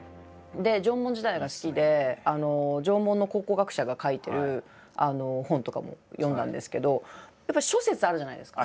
縄文時代が好きで縄文の考古学者が書いてる本とかも読んだんですけどやっぱり諸説あるじゃないですか。